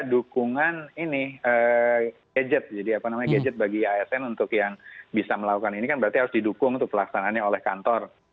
dukungan gadget jadi gadget bagi asn untuk yang bisa melakukan ini kan berarti harus didukung untuk pelaksanaannya oleh kantor